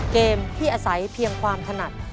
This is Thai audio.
เกมที่อาศัยเพียงความถนัด